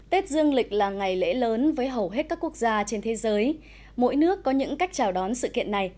tết dương lịch là ngày lễ lớn với hầu hết các quốc gia trên thế giới mỗi nước có những cách chào đón sự kiện này